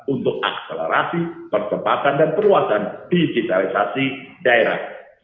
untuk akselerasi percepatan dan perluasan digitalisasi daerah